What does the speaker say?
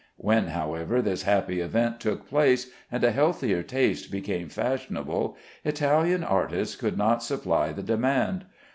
When, however, this happy event took place, and a healthier taste became fashionable, Italian artists could not supply the demand.